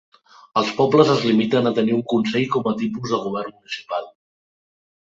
Els pobles es limiten a tenir un consell com a tipus de govern municipal.